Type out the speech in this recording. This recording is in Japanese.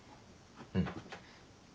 うん。